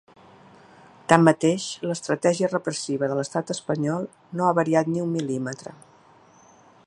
Tanmateix, l’estratègia repressiva de l’estat espanyol no ha variat ni un mil·límetre.